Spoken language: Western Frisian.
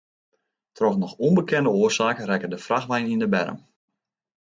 Troch noch ûnbekende oarsaak rekke de frachtwein yn de berm.